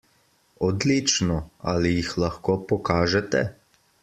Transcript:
Odlično, ali jih lahko pokažete?